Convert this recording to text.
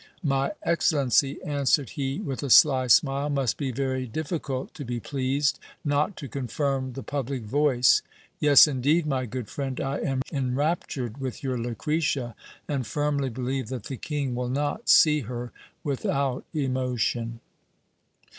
My excel lency, answered he with a sly smile, must be very difficult to be pleased, not to confirm the public voice : yes, indeed, my good friend, I am enraptured with your Lucretia, and firmly believe that the king will not see her without emotion.